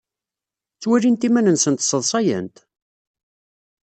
Ttwalint iman-nsent sseḍsayent?